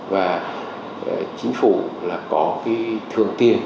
và chính phủ là có cái thường tiền